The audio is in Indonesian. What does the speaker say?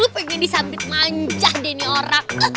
pengen disambit manjah deh nih orang